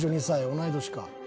同い年か。